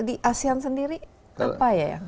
di asean sendiri apa ya yang